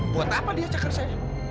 buat apa dia caker saya